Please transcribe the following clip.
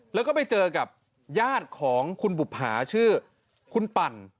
แล้วก็ไปเจอกับญาติของคุณบุภาชื่อคุณปั่น